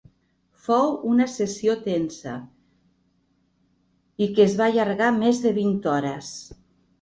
Fou una sessió tensa i que es va allargar més de vint hores.